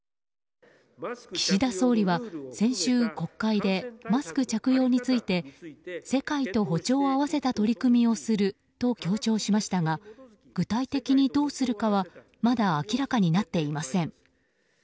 岸田総理は先週、国会でマスク着用について世界と歩調を合わせた取り組みをすると強調しましたが具体的にどうするかはまだ明らかになっていません。